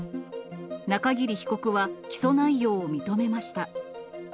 中桐被告は起訴内容を認めました。